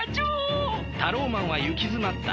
タローマンはゆきづまった。